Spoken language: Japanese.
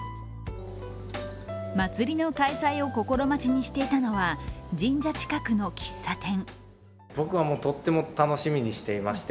まつりの開催を心待ちにしていたのは、神社近くの喫茶店。